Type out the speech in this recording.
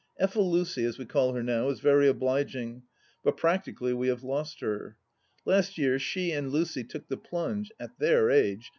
... Effel Lucy, as we call her now, is very obliging, but practically we have lost her. Last year she and Lucy took the plunge (at their age